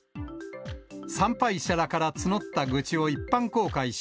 参拝者らから募った愚痴を一般公開し、